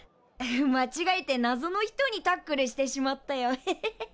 まちがえてなぞの人にタックルしてしまったよヘヘヘヘ。